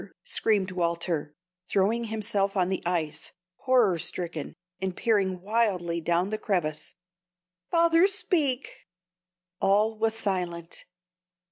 screamed Walter, throwing himself on the ice, horror stricken, and peering wildly down the crevasse. "Father, speak!" All was silent.